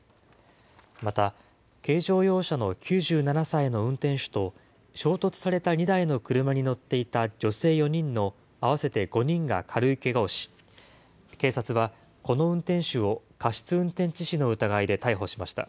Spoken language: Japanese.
また、軽乗用車の９７歳の運転手と、衝突された２台の車に乗っていた女性４人の合わせて５人が軽いけがをし、警察はこの運転手を過失運転致死の疑いで逮捕しました。